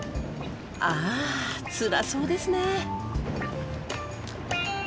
あつらそうですね。